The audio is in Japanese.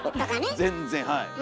全然はい。